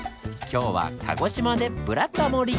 今日は鹿児島で「ブラタモリ」！